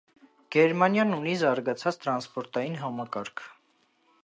Գերմանիան ունի զարգացած տրանսպորտային համակարգ։